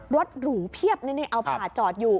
หรูเพียบนี่เอาผ่าจอดอยู่